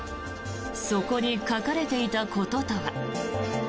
そこに書かれていたこととは。